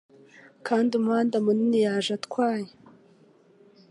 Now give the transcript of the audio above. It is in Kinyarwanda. Kandi umuhanda munini yaje atwaye -